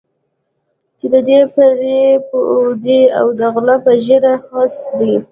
چې دی پرې پوه دی او د غله په ږیره خس دی.